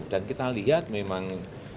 dan kita lihat memang